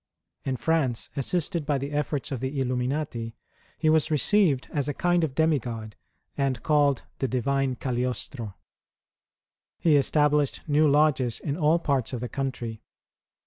In France, assisted by the efforts of the Illuminati, he was received as a kind of demigod, and called the divine Cagliostro. He established new lodges in all parts of the country.